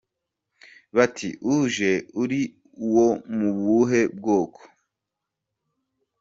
Bati: “uje uri uwo mu buhe bwoko?”.